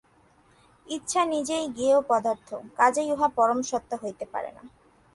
ইচ্ছা নিজেই জ্ঞেয় পদার্থ, কাজেই উহা পরম সত্তা হইতে পারে না।